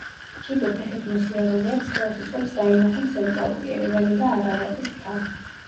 კიბე ფეხით მოსიარულეებს ხელს უწყობს დაინახონ ცენტრალური ერევანი და არარატის მთა.